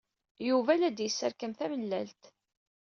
Yuba la d-yesserkam tamellalt.